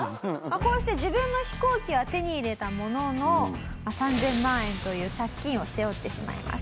こうして自分の飛行機は手に入れたものの３０００万円という借金を背負ってしまいます。